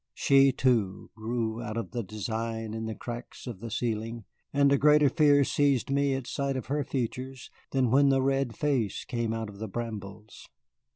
She, too, grew out of the design in the cracks of the ceiling, and a greater fear seized me at sight of her features than when the red face came out of the brambles.